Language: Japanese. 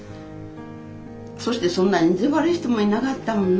そしてそんなに意地悪い人もいなかったもんな。